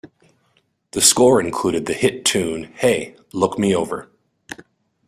The score included the hit tune Hey, Look Me Over.